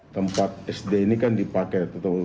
tempat sd ini kan dipakai tentu kampung